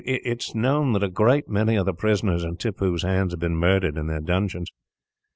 "It is known that a great many of the prisoners in Tippoo's hands have been murdered in their dungeons.